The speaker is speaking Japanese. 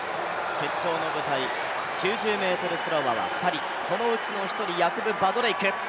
決勝の舞台、９０ｍスローワーは２人、そのうちの１人、バドレイク。